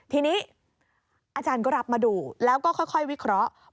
ทีนี้อาจารย์ก็รับมาดูแล้วก็ค่อยวิเคราะห์